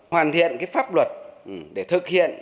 hoàn thiện pháp luật để thực hiện